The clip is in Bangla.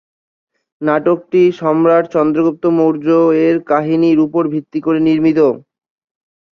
নাটকটি সম্রাট চন্দ্রগুপ্ত মৌর্য এর কাহিনির উপর ভিত্তি করে নির্মিত।